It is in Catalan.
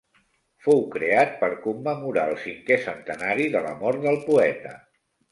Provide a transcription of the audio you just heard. Fou creat per commemorar el cinquè centenari de la mort del poeta.